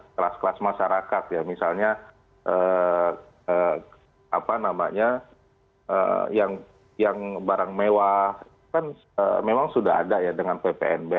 kelas kelas masyarakat ya misalnya apa namanya yang barang mewah itu kan memang sudah ada ya dengan ppnb